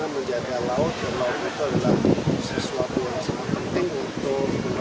tapi mereka akan menangkap sampah